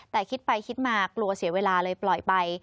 แต่คิดไปคิดมากลัวเสียเวลาเลยปล่อยไป